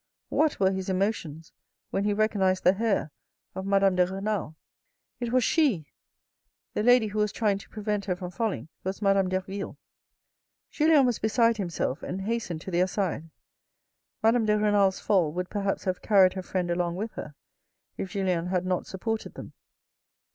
What were his emotions when he recognised the hair of Madame de Renal ? It was she ! The lady who was trying to prevent her from falling was Madame Derville. Julien was beside himself and hastened to their side. Madame de Renal's fall would perhaps have carried her friend along with her, if Julien had not supported them.